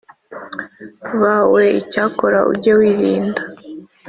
Bawe icyakora ujye wirinda